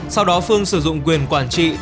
sau đó phương sử dụng quyền quản trị